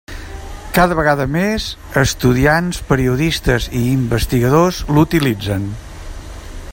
Cada vegada més, estudiants, periodistes i investigadors l'utilitzen.